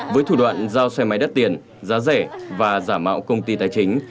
với thủ đoạn giao xe máy đắt tiền giá rẻ và giả mạo công ty tài chính